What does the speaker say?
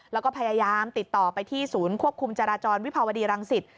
แล้วก็พยายามติดต่อไปที่ศูนย์ควบคุมจราจรวิภาวดีรังสิต